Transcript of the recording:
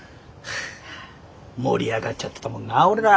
盛り上がっちゃってたもんな俺ら。